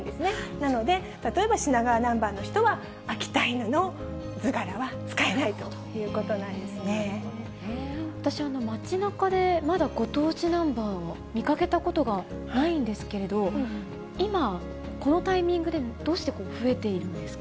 なので、例えば品川ナンバーの人は秋田犬の図柄は使えないということなん私、街なかでまだご当地ナンバー、見かけたことがないんですけれども、今、このタイミングでどうして増えているんですか。